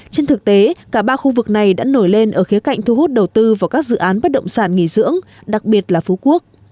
trên thực tế cả ba khu vực này đã nổi lên ở khía cạnh thu hút đầu tư vào các dự án bất động sản nghỉ dưỡng đặc biệt là phú quốc